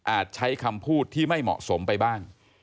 ใช้คำพูดที่ไม่เหมาะสมไปบ้าง